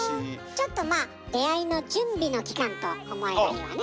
ちょっとまあ出会いの準備の期間と思えばいいわね。